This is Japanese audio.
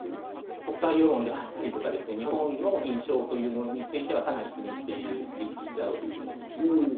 国際世論であったり、日本の印象というものについてはかなり気にしている時期だろうと思います。